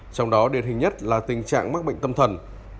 trong đó điển hình nhất là tình trạng mắc bệnh tâm thần